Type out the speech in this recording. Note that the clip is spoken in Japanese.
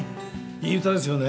いい歌ですよね！